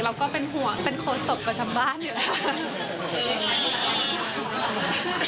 เราก็เป็นห่วงเป็นโค้ดศพประจำบ้านอยู่แล้วค่ะ